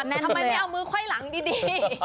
ทำไมไม่เอามือไขว้หลังดี